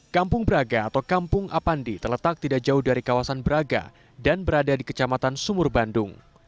kampung braga atau kampung apandi terletak tidak jauh dari kawasan braga dan berada di kecamatan sumur bandung